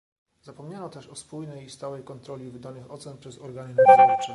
Zapomniano też o spójnej i stałej kontroli wydanych ocen przez organy nadzorcze